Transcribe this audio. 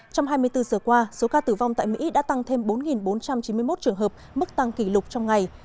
trong hai mươi bốn giờ qua số ca tử vong tại mỹ đã tăng thêm bốn bốn trăm chín mươi một trường hợp mức tăng kỷ lục trong ngày